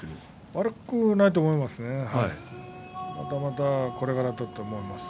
悪くないと思います。